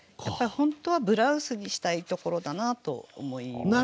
本当は「ブラウス」にしたいところだなと思いましたね。